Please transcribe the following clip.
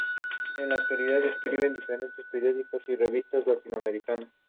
Murió en el Reino Unido.